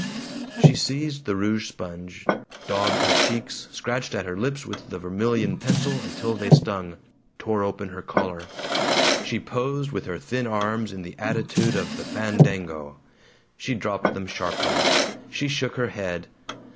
She seized the rouge sponge, daubed her cheeks, scratched at her lips with the vermilion pencil until they stung, tore open her collar. She posed with her thin arms in the attitude of the fandango. She dropped them sharply. She shook her head.